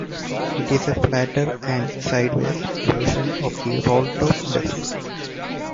It is a flatter and "sideways" version of the rolltop desk.